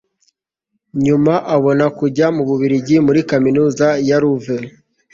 nyuma abona kujya mu bubiligi muri kaminuza ya luve